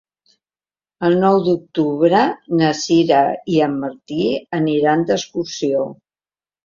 El nou d'octubre na Sira i en Martí aniran d'excursió.